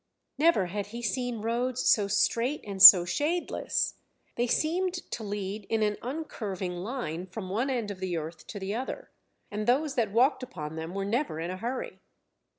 Never had he seen roads so straight and so shadeless; they seemed to lead in an uncurving line from one end of the earth to the other; and those that walked upon them were never in a hurry.